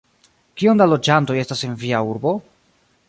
Kiom da loĝantoj estas en via urbo?